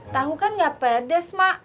tahu kan gak pedes mak